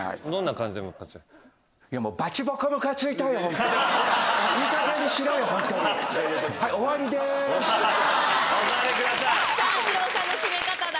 三四郎さんの締め方だ。